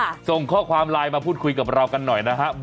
ส่งข้อความไลน์มาพูดคุยกับเรากันหน่อยนะครับ